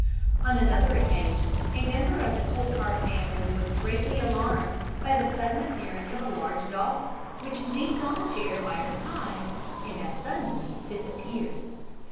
On another occasion, a member of the Coltheart family was greatly alarmed by the sudden appearance of a large dog, which leaped on the chair by her side, and as suddenly disappeared.